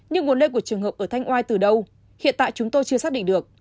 nhưng nguồn lây của trường hợp ở thanh oai từ đâu hiện tại chúng tôi chưa xác định được